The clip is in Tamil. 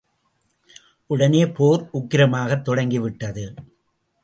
உடனே போர் உக்கிரமாகத் தொடங்கிவிட்டது.